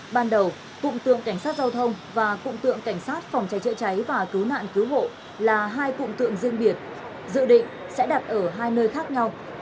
ban đầu cụm tượng cảnh sát giao thông và cụm tượng cảnh sát phòng cháy chữa cháy và cứu nạn cứu hộ là hai cụm tượng riêng biệt dự định sẽ đặt ở hai nơi khác nhau